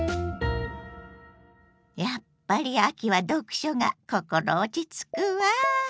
やっぱり秋は読書が心落ち着くわ。